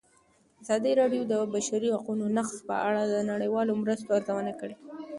ازادي راډیو د د بشري حقونو نقض په اړه د نړیوالو مرستو ارزونه کړې.